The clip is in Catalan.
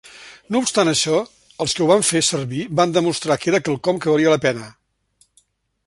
No obstant això, els que ho van fer servir van demostrar que era quelcom que valia la pena.